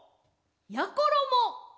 やころも。